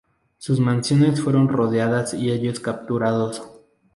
Sus mansiones fueron rodeadas y ellos capturados.